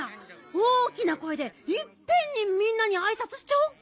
大きなこえでいっぺんにみんなにあいさつしちゃおっか。